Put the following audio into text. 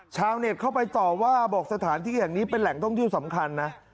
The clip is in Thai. ชาวเน็ตเข้าไปต่อว่าบอกสถานที่แห่งนี้เป็นแหล่งท่องเที่ยวสำคัญนะ